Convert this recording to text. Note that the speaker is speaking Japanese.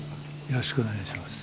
よろしくお願いします。